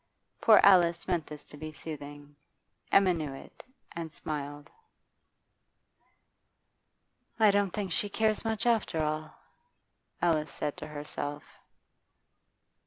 Poor Alice meant this to be soothing. Emma knew it, and smiled. 'I don't think she cares much after all,' Alice said to herself.